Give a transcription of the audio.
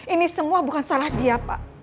ini semua bukan salah dia pak